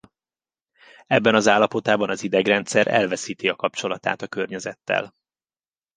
Ebben az állapotban az idegrendszer elveszíti a kapcsolatát a környezettel.